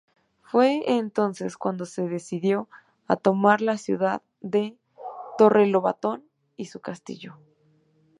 Fue entonces cuando se decidió a tomar la ciudad de Torrelobatón y su castillo.